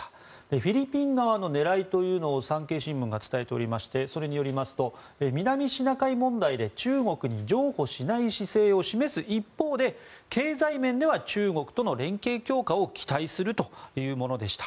フィリピン側の狙いというのを産経新聞が伝えておりましてそれによりますと南シナ海問題で中国に譲歩しない姿勢を示す一方で経済面では中国との連携強化を期待するというものでした。